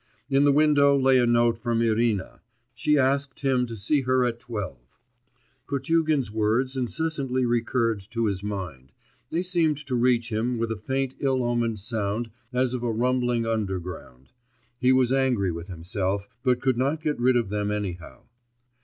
In the window lay a note from Irina: she asked him to see her at twelve. Potugin's words incessantly recurred to his mind, they seemed to reach him with a faint ill omened sound as of a rumbling underground. He was angry with himself, but could not get rid of them anyhow.